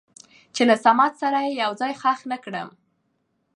چې له صمد سره يې يو ځاى خښ نه کړم.